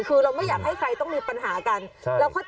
คือเราไม่อยากให้ใครต้องมีปัญหากันเราเข้าใจทุกฝ่ายนะคุณผู้ชม